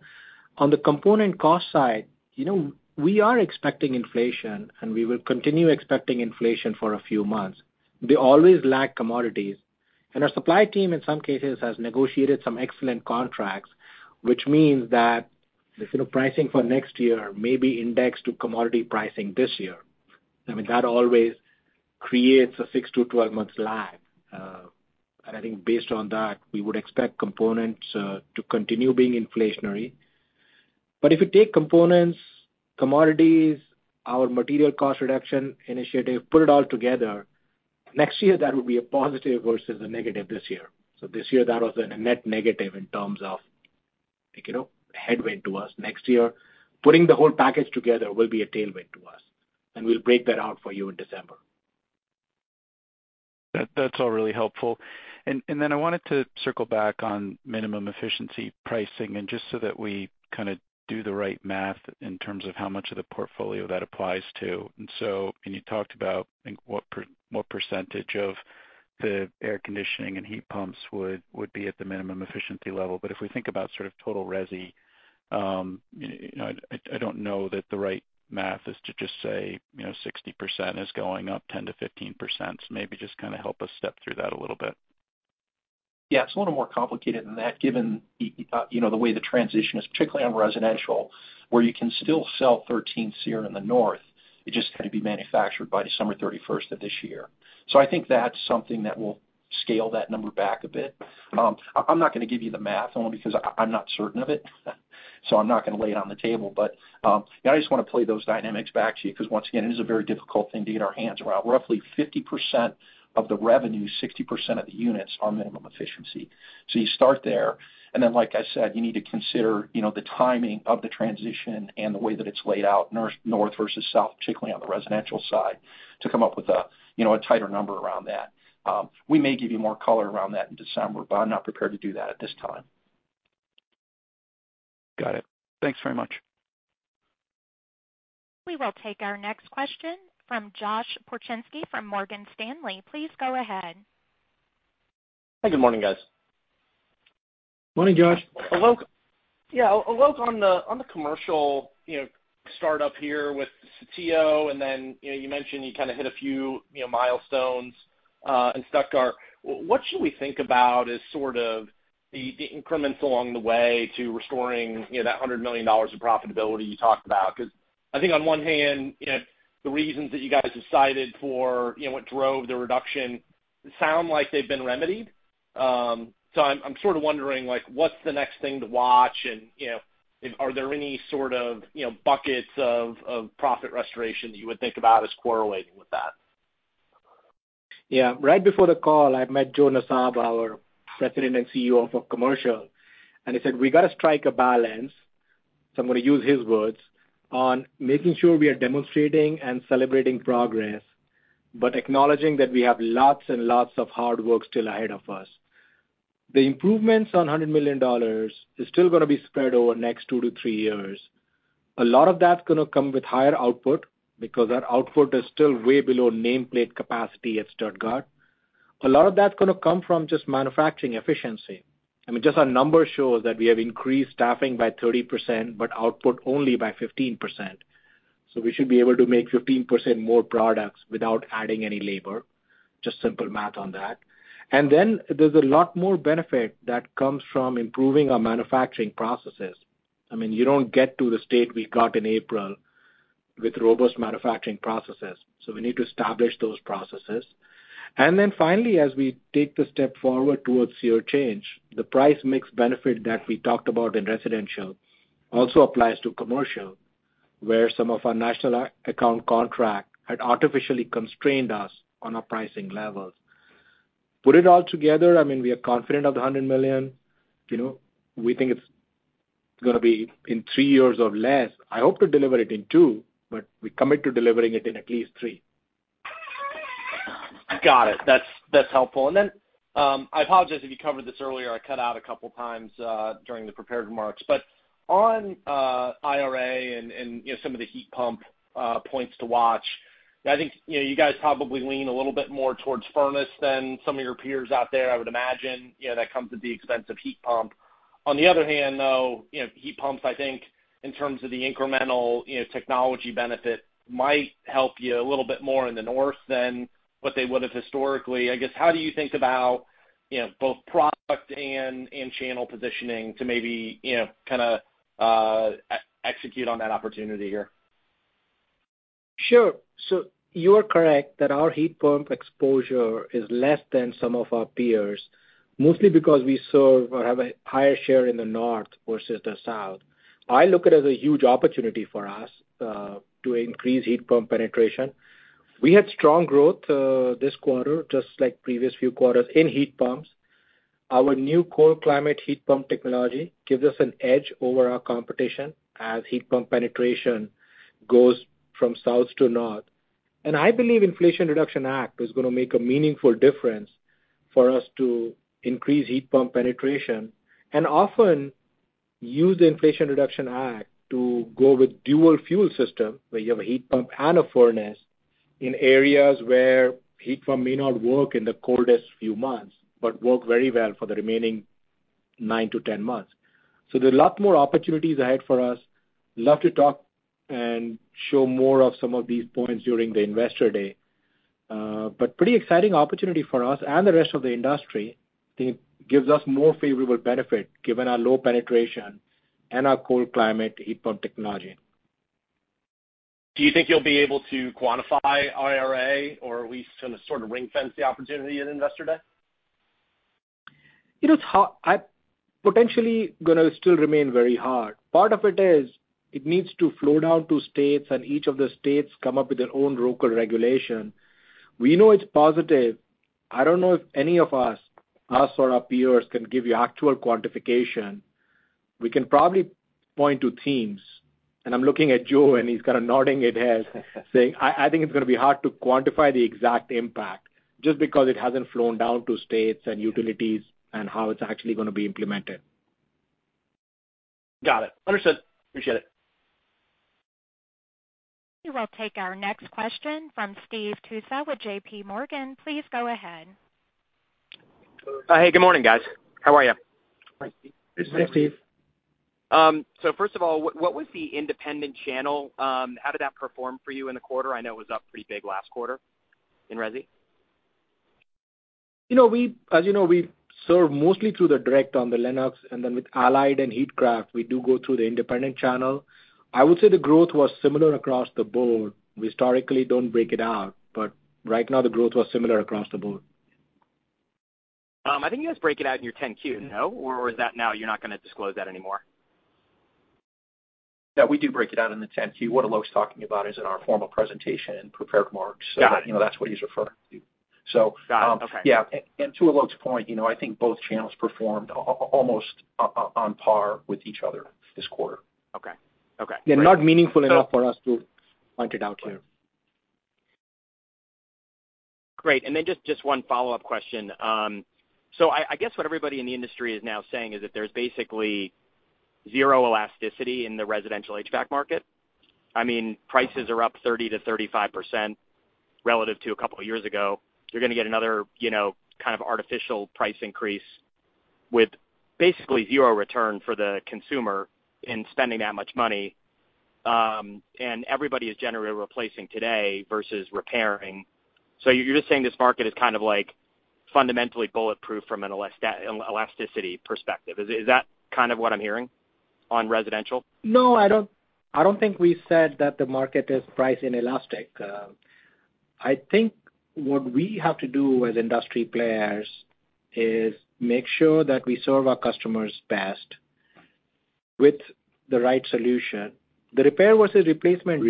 on the component cost side, you know, we are expecting inflation, and we will continue expecting inflation for a few months. We always lag commodities. Our supply team, in some cases, has negotiated some excellent contracts, which means that the sort of pricing for next year may be indexed to commodity pricing this year. I mean, that always creates a 6-12 months lag. I think based on that, we would expect components to continue being inflationary. If you take components, commodities, our material cost reduction initiative, put it all together, next year that will be a positive versus a negative this year. This year, that was a net negative in terms of, like, you know, headwind to us. Next year, putting the whole package together will be a tailwind to us, and we'll break that out for you in December. That's all really helpful. I wanted to circle back on minimum efficiency pricing, just so that we kinda do the right math in terms of how much of the portfolio that applies to. You talked about, I think, what percentage of the air conditioning and heat pumps would be at the minimum efficiency level. If we think about sort of total resi, you know, I don't know that the right math is to just say, you know, 60% is going up 10%-15%. Maybe just kinda help us step through that a little bit. Yeah, it's a little more complicated than that, given the way the transition is, particularly on residential, where you can still sell 13 SEER in the North. It just gotta be manufactured by December 31st of this year. I think that's something that will scale that number back a bit. I'm not gonna give you the math only because I'm not certain of it, so I'm not gonna lay it on the table. But yeah, I just wanna play those dynamics back to you, 'cause once again, it is a very difficult thing to get our hands around. Roughly 50% of the revenue, 60% of the units are minimum efficiency. You start there. Like I said, you need to consider, you know, the timing of the transition and the way that it's laid out north versus south, particularly on the residential side, to come up with a, you know, a tighter number around that. We may give you more color around that in December, but I'm not prepared to do that at this time. Got it. Thanks very much. We will take our next question from Josh Pokrzywinski from Morgan Stanley. Please go ahead. Hi, good morning, guys. Morning, Josh. Alok, on the commercial, you know, startup here with Saltillo, and then, you know, you mentioned you kinda hit a few, you know, milestones in Stuttgart. What should we think about as sort of the increments along the way to restoring, you know, that $100 million of profitability you talked about? 'Cause I think on one hand, you know, the reasons that you guys decided for, you know, what drove the reduction sound like they've been remedied. So I'm sort of wondering, like, what's the next thing to watch? You know, are there any sort of, you know, buckets of profit restoration that you would think about as correlating with that? Right before the call, I met Joe Nassab, our President and CEO of Commercial, and he said, "We gotta strike a balance," so I'm gonna use his words, "on making sure we are demonstrating and celebrating progress, but acknowledging that we have lots and lots of hard work still ahead of us." The improvements of $100 million is still gonna be spread over next 2-3 years. A lot of that's gonna come with higher output because our output is still way below nameplate capacity at Stuttgart. A lot of that's gonna come from just manufacturing efficiency. I mean, just our numbers show that we have increased staffing by 30%, but output only by 15%. We should be able to make 15% more products without adding any labor. Just simple math on that. There's a lot more benefit that comes from improving our manufacturing processes. I mean, you don't get to the state we got in April with robust manufacturing processes, so we need to establish those processes. Finally, as we take the step forward towards SEER change, the price mix benefit that we talked about in residential also applies to commercial, where some of our national account contract had artificially constrained us on our pricing levels. Put it all together, I mean, we are confident of the $100 million. You know, we think it's gonna be in three years or less. I hope to deliver it in two, but we commit to delivering it in at least three. Got it. That's helpful. I apologize if you covered this earlier. I cut out a couple times during the prepared remarks. On IRA and you know some of the heat pump points to watch, I think you know you guys probably lean a little bit more towards furnace than some of your peers out there, I would imagine. You know that comes at the expense of heat pump. On the other hand, though, you know heat pumps I think in terms of the incremental you know technology benefit might help you a little bit more in the North than what they would've historically. I guess how do you think about you know both product and channel positioning to maybe you know kinda execute on that opportunity here? Sure. You are correct that our heat pump exposure is less than some of our peers, mostly because we serve or have a higher share in the North versus the South. I look at it as a huge opportunity for us to increase heat pump penetration. We had strong growth this quarter, just like previous few quarters, in heat pumps. Our new cold climate heat pump technology gives us an edge over our competition as heat pump penetration goes from South to North. I believe Inflation Reduction Act is gonna make a meaningful difference for us to increase heat pump penetration and often use the Inflation Reduction Act to go with dual fuel system, where you have a heat pump and a furnace in areas where heat pump may not work in the coldest few months, but work very well for the remaining 9-10 months. There are a lot more opportunities ahead for us. Love to talk and show more of some of these points during the Investor Day. Pretty exciting opportunity for us and the rest of the industry. I think it gives us more favorable benefit given our low penetration and our cold climate heat pump technology. Do you think you'll be able to quantify IRA or at least gonna sort of ring-fence the opportunity at Investor Day? You know, it's potentially gonna still remain very hard. Part of it is it needs to flow down to states, and each of the states come up with their own local regulation. We know it's positive. I don't know if any of us or our peers can give you actual quantification. We can probably point to themes, and I'm looking at Joe, and he's kinda nodding his head saying I think it's gonna be hard to quantify the exact impact just because it hasn't flown down to states and utilities and how it's actually gonna be implemented. Got it. Understood. Appreciate it. We will take our next question from Steve Tusa with JPMorgan. Please go ahead. Hey, good morning, guys. How are you? Hi, Steve. Good. Steve. First of all, what was the independent channel, how did that perform for you in the quarter? I know it was up pretty big last quarter in resi. You know, as you know, we serve mostly through the direct on the Lennox, and then with Allied and Heatcraft, we do go through the independent channel. I would say the growth was similar across the board. We historically don't break it out, but right now the growth was similar across the board. I think you guys break it out in your 10-Q, no? Or is that now you're not gonna disclose that anymore? Yeah, we do break it out in the 10-Q. What Alok's talking about is in our formal presentation in prepared remarks. Got it. You know, that's what he's referring to. Got it. Okay. Yeah. To Alok's point, you know, I think both channels performed almost on par with each other this quarter. Okay. They're not meaningful enough for us to point it out here. Great. Just one follow-up question. I guess what everybody in the industry is now saying is that there's basically zero elasticity in the residential HVAC market. I mean, prices are up 30%-35% relative to a couple years ago. You're gonna get another, you know, kind of artificial price increase with basically zero return for the consumer in spending that much money. Everybody is generally replacing today versus repairing. You're just saying this market is kind of like fundamentally bulletproof from an elasticity perspective. Is that kind of what I'm hearing on residential? No, I don't think we said that the market is priced inelastic. I think what we have to do as industry players is make sure that we serve our customers best with the right solution. The repair versus replacement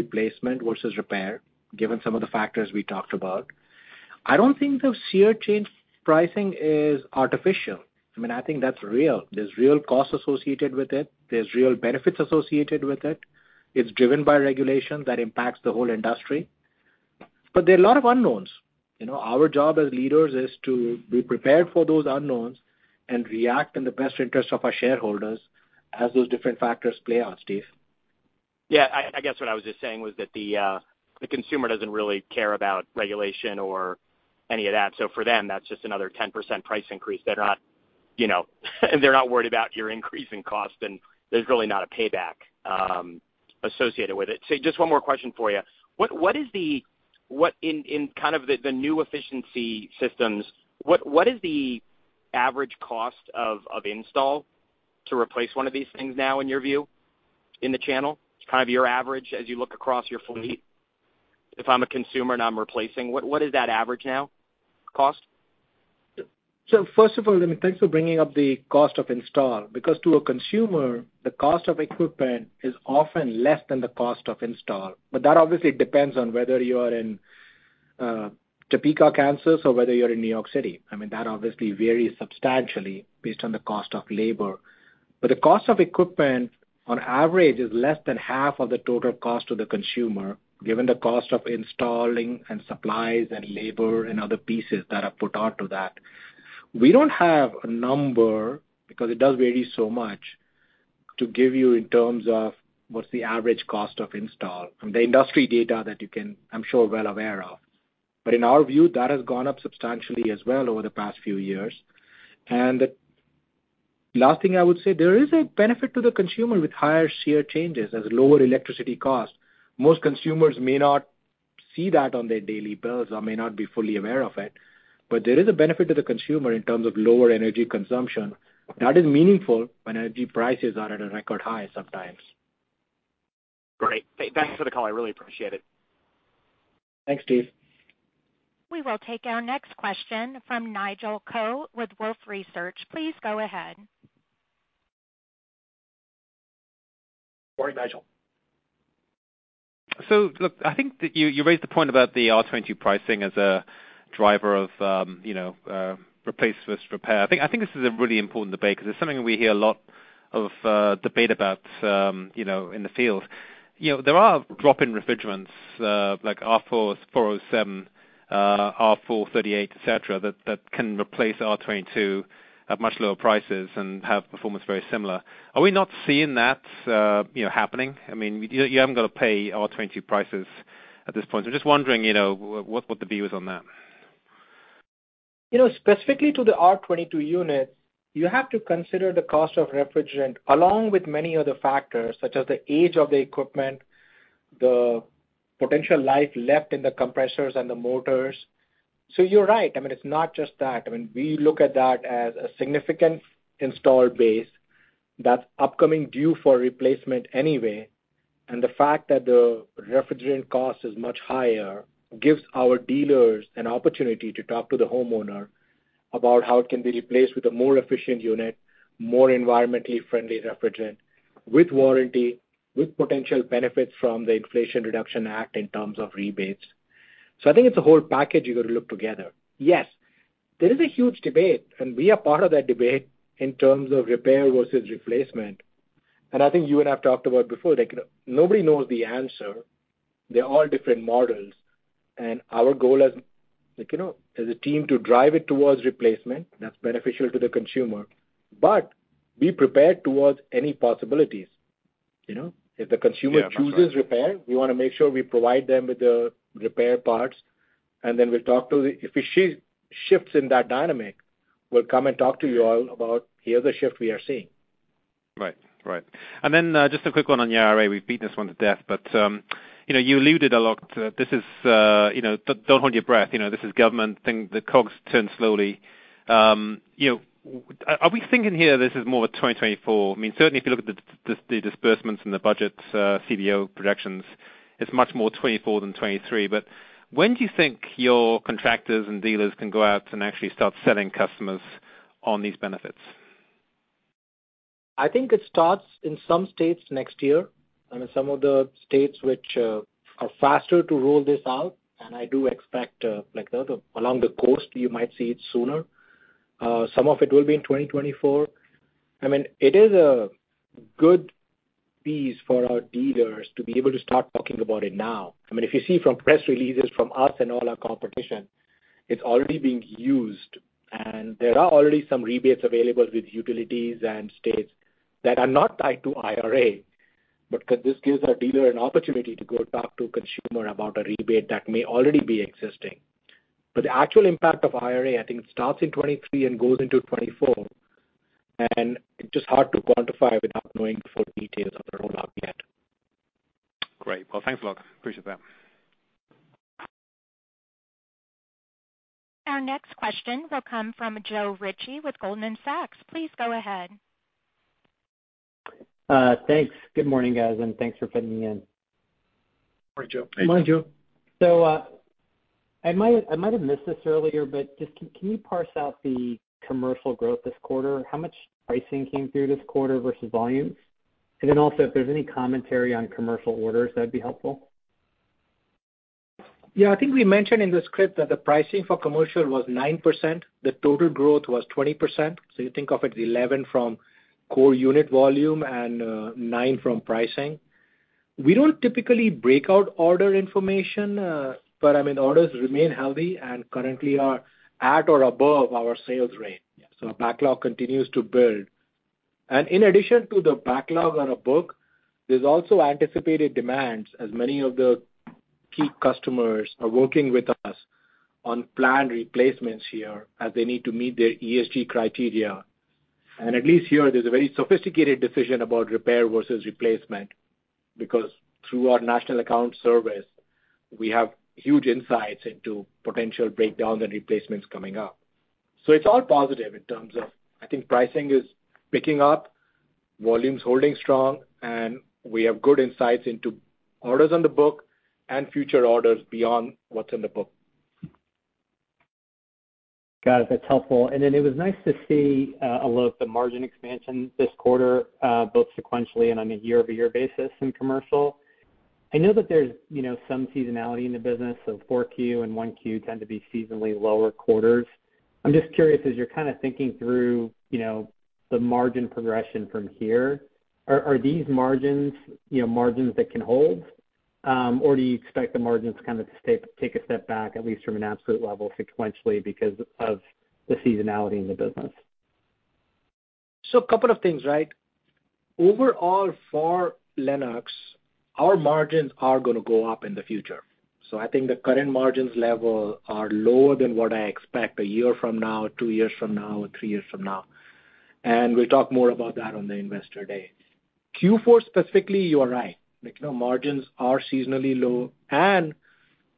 versus repair, given some of the factors we talked about. I don't think the SEER change pricing is artificial. I mean, I think that's real. There's real costs associated with it. There's real benefits associated with it. It's driven by regulation that impacts the whole industry. But there are a lot of unknowns. You know, our job as leaders is to be prepared for those unknowns and react in the best interest of our shareholders as those different factors play out, Steve. Yeah, I guess what I was just saying was that the consumer doesn't really care about regulation or any of that. For them, that's just another 10% price increase. They're not, you know, worried about your increase in cost, and there's really not a payback associated with it. Just one more question for you. What, in kind of the new efficiency systems, is the average cost of install to replace one of these things now, in your view, in the channel? Just kind of your average as you look across your fleet. If I'm a consumer and I'm replacing, what is that average now, cost? First of all, thanks for bringing up the cost of install, because to a consumer, the cost of equipment is often less than the cost of install. But that obviously depends on whether you are in Topeka, Kansas, or whether you're in New York City. I mean, that obviously varies substantially based on the cost of labor. But the cost of equipment on average is less than half of the total cost to the consumer, given the cost of installing and supplies and labor and other pieces that are put onto that. We don't have a number, because it does vary so much, to give you in terms of what's the average cost of install from the industry data that you can, I'm sure, well aware of. But in our view, that has gone up substantially as well over the past few years. The last thing I would say, there is a benefit to the consumer with higher SEER changes as lower electricity costs. Most consumers may not see that on their daily bills or may not be fully aware of it, but there is a benefit to the consumer in terms of lower energy consumption. That is meaningful when energy prices are at a record high sometimes. Great. Thanks for the call. I really appreciate it. Thanks, Steve. We will take our next question from Nigel Coe with Wolfe Research. Please go ahead. Morning, Nigel. Look, I think that you raised the point about the R22 pricing as a driver of, you know, replace versus repair. I think this is a really important debate 'cause it's something we hear a lot of, debate about, you know, in the field. You know, there are drop-in refrigerants, like R-407, R-438A, et cetera, that can replace R22 at much lower prices and have performance very similar. Are we not seeing that, you know, happening? I mean, you haven't got to pay R22 prices at this point. Just wondering, you know, what the view is on that. You know, specifically to the R22 unit, you have to consider the cost of refrigerant along with many other factors, such as the age of the equipment, the potential life left in the compressors and the motors. You're right, I mean, it's not just that. I mean, we look at that as a significant installed base that's upcoming due for replacement anyway. The fact that the refrigerant cost is much higher gives our dealers an opportunity to talk to the homeowner about how it can be replaced with a more efficient unit, more environmentally friendly refrigerant, with warranty, with potential benefits from the Inflation Reduction Act in terms of rebates. I think it's a whole package you got to look together. Yes, there is a huge debate, and we are part of that debate in terms of repair versus replacement. I think you and I have talked about before, like, nobody knows the answer. They're all different models. Our goal as, like, you know, as a team to drive it towards replacement, that's beneficial to the consumer. Be prepared towards any possibilities, you know? If the consumer- Yeah. Chooses repair, we wanna make sure we provide them with the repair parts, and then we'll talk to them if we see shifts in that dynamic. We'll come and talk to you all about, here's the shift we are seeing. Right. Just a quick one on IRA. We've beaten this one to death, but, you know, you alluded a lot to this is, you know, don't hold your breath. You know, this is government. The cogs turn slowly. You know, are we thinking here this is more 2024? I mean, certainly if you look at the disbursements and the budget, CBO projections, it's much more 2024 than 2023. But when do you think your contractors and dealers can go out and actually start selling customers on these benefits? I think it starts in some states next year. I mean, some of the states which are faster to roll this out, and I do expect, like the, along the coast, you might see it sooner. Some of it will be in 2024. I mean, it is a good piece for our dealers to be able to start talking about it now. I mean, if you see from press releases from us and all our competition, it's already being used, and there are already some rebates available with utilities and states that are not tied to IRA. This gives our dealer an opportunity to go talk to a consumer about a rebate that may already be existing. The actual impact of IRA, I think starts in 2023 and goes into 2024, and it's just hard to quantify without knowing full details of the rollout yet. Great. Well, thanks a lot. Appreciate that. Our next question will come from Joe Ritchie with Goldman Sachs. Please go ahead. Thanks. Good morning, guys, and thanks for fitting me in. Morning, Joe. Morning, Joe. I might have missed this earlier, but just can you parse out the commercial growth this quarter? How much pricing came through this quarter versus volumes? And then also, if there's any commentary on commercial orders, that'd be helpful. Yeah. I think we mentioned in the script that the pricing for commercial was 9%. The total growth was 20%. You think of it, 11% from core unit volume and 9% from pricing. We don't typically break out order information, but I mean, orders remain healthy and currently are at or above our sales rate. Yeah. Our backlog continues to build. In addition to the backlog on our book, there's also anticipated demands as many of the key customers are working with us on planned replacements here as they need to meet their ESG criteria. At least here, there's a very sophisticated decision about repair versus replacement, because through our national account service, we have huge insights into potential breakdowns and replacements coming up. It's all positive in terms of, I think pricing is picking up, volume's holding strong, and we have good insights into orders on the book and future orders beyond what's in the book. Got it. That's helpful. It was nice to see Alok, the margin expansion this quarter both sequentially and on a year-over-year basis in commercial. I know that there's, you know, some seasonality in the business, so 4Q and 1Q tend to be seasonally lower quarters. I'm just curious, as you're kinda thinking through, you know, the margin progression from here, are these margins, you know, margins that can hold? Or do you expect the margins to take a step back, at least from an absolute level sequentially because of the seasonality in the business? Couple of things, right? Overall, for Lennox, our margins are gonna go up in the future. I think the current margins level are lower than what I expect a year from now, two years from now, three years from now. We'll talk more about that on the Investor Day. Q4 specifically, you are right. Like, you know, margins are seasonally low, and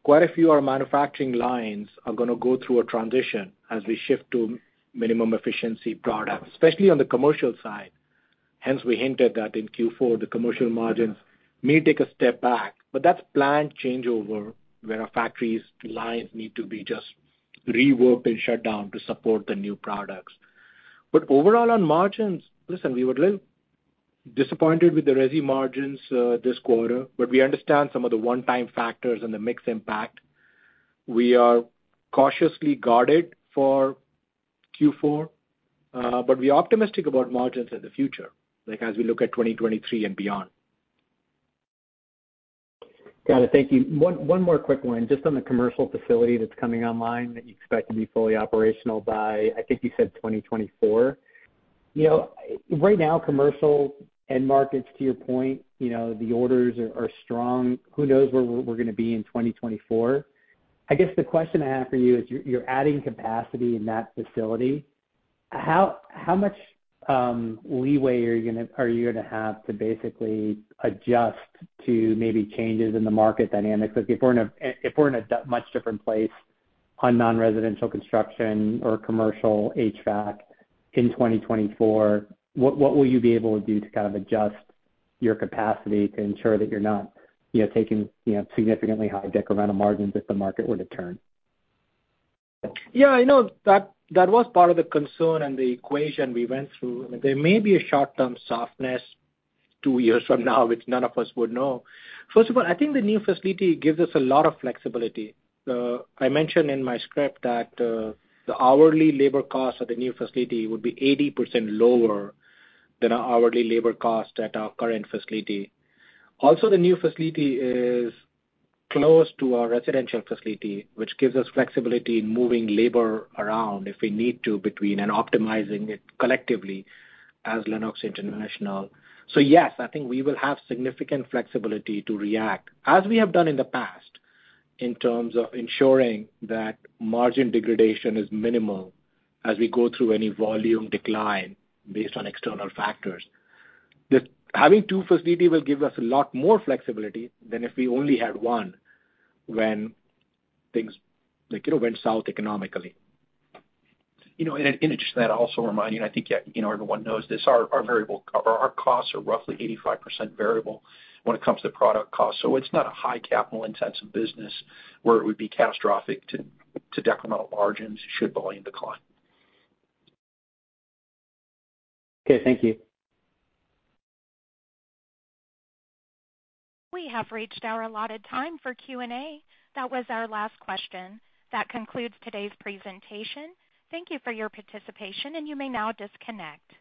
quite a few of our manufacturing lines are gonna go through a transition as we shift to minimum efficiency products, especially on the commercial side. Hence, we hinted that in Q4, the commercial margins may take a step back. That's planned changeover, where our factory lines need to be just reworked and shut down to support the new products. Overall, on margins, listen, we were a little disappointed with the resi margins, this quarter, but we understand some of the one-time factors and the mix impact. We are cautiously guarded for Q4, but we're optimistic about margins in the future, like as we look at 2023 and beyond. Got it. Thank you. One more quick one just on the commercial facility that's coming online that you expect to be fully operational by, I think you said 2024. You know, right now commercial end markets, to your point, you know, the orders are strong. Who knows where we're gonna be in 2024? I guess the question I have for you is you're adding capacity in that facility. How much leeway are you gonna have to basically adjust to maybe changes in the market dynamics? Like if we're in a much different place on non-residential construction or commercial HVAC in 2024, what will you be able to do to kind of adjust your capacity to ensure that you're not, you know, taking, you know, significantly high decremental margins if the market were to turn? Yeah, I know that was part of the concern and the equation we went through. There may be a short-term softness two years from now, which none of us would know. First of all, I think the new facility gives us a lot of flexibility. I mentioned in my script that the hourly labor cost of the new facility would be 80% lower than our hourly labor cost at our current facility. Also, the new facility is close to our residential facility, which gives us flexibility in moving labor around if we need to between and optimizing it collectively as Lennox International. Yes, I think we will have significant flexibility to react as we have done in the past in terms of ensuring that margin degradation is minimal as we go through any volume decline based on external factors. Having two facilities will give us a lot more flexibility than if we only had one when things, like, you know, went south economically. You know, and just to that, also remind you, and I think, yeah, you know, everyone knows this, our variable costs are roughly 85% variable when it comes to product cost. It's not a high capital intensive business where it would be catastrophic to decremental margins should volume decline. Okay, thank you. We have reached our allotted time for Q&A. That was our last question. That concludes today's presentation. Thank you for your participation, and you may now disconnect.